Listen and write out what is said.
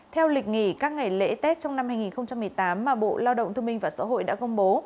theo lịch nghỉ các ngày lễ tết trong năm hai nghìn một mươi tám mà bộ lao động thương minh và xã hội đã công bố